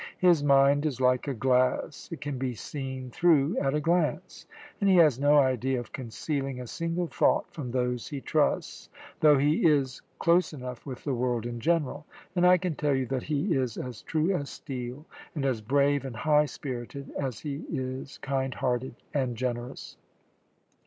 His mind is like a glass it can be seen through at a glance; and he has no idea of concealing a single thought from those he trusts, though he is close enough with the world in general; and I can tell you that he is as true as steel, and as brave and high spirited as he is kind hearted and generous."